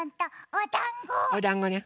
おだんごね。